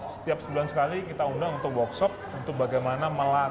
setiap sebulan sekali kita undang untuk workshop untuk bagaimana melakukan supervisi di project